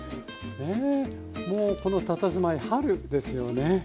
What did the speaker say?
もうこのたたずまい春ですよね。